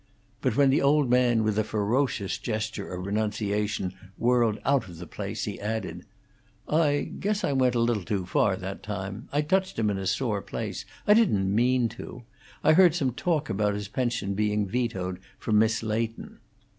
But when the old man, with a ferocious gesture of renunciation, whirled out of the place, he added: "I guess I went a little too far that time. I touched him on a sore place; I didn't mean to; I heard some talk about his pension being vetoed from Miss Leighton."